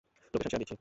Location share দিচ্ছি।